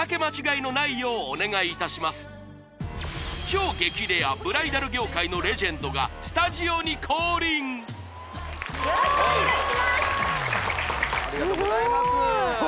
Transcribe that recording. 超激レアブライダル業界のレジェンドがスタジオに降臨よろしくお願いします